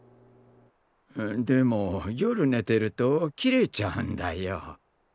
でも夜寝てると切れちゃうんだよ。